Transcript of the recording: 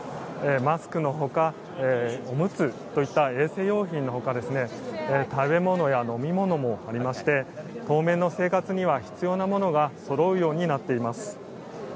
マスクのほかおむつといった衛生用品のほか食べ物や飲み物もありまして当面の生活には必要なものがそろうようになっています。